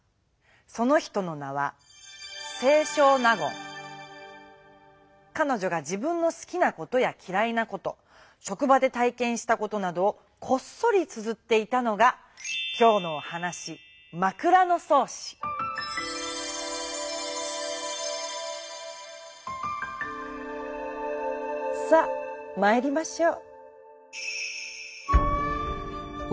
その人の名はかのじょが自分のすきなことやきらいなことしょく場で体けんしたことなどをこっそりつづっていたのがきょうのおはなしさっまいりましょう。